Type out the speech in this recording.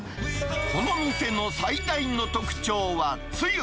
この店の最大の特徴はつゆ。